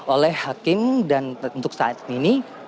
oleh hakim dan untuk saat ini